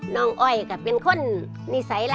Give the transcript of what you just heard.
อ้อยก็เป็นคนนิสัยล่ะ